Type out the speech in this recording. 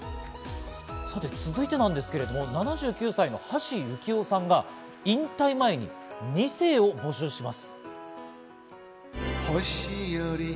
さて、続いてなんですけれども７９歳の橋幸夫さんが引退前に２世を募集します。